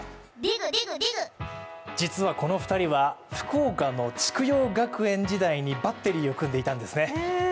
実はこの２人は福岡の筑陽学園時代にバッテリーを組んでいたんですね。